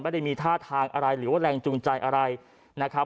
ไม่ได้มีท่าทางอะไรหรือว่าแรงจูงใจอะไรนะครับ